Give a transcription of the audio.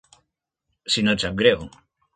Si no et sap greu.